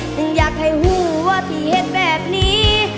อยากให้หัวที่เห็นแบบนี้